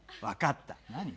分かった。